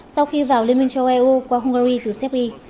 sau khi vào liên minh châu âu qua hungary